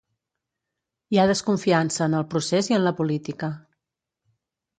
Hi ha desconfiança en el procés i en la política.